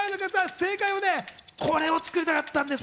正解はこれを作りたかったんです。